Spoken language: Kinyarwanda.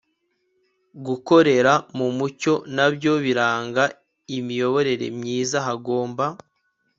gukorera mu mucyo na byo biranga imiyoborere myiza. hagomba